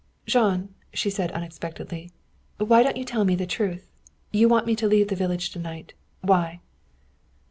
"Jean," she said unexpectedly, "why don't you tell me the truth? You want me to leave the village to night. Why?"